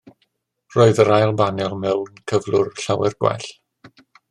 Roedd yr ail banel mewn cyflwr llawer gwell.